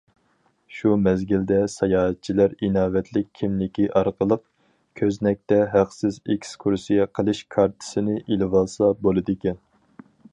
شۇ مەزگىلدە، ساياھەتچىلەر ئىناۋەتلىك كىملىكى ئارقىلىق كۆزنەكتە ھەقسىز ئېكسكۇرسىيە قىلىش كارتىسىنى ئېلىۋالسا بولىدىكەن.